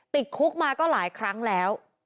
ติดคุกมาก็หลายครั้งแล้ว